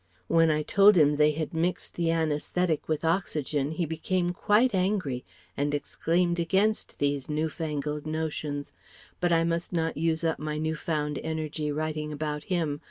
When I told him they had mixed the anæsthetic with oxygen he became quite angry and exclaimed against these new fangled notions. But I must not use up my new found energy writing about him.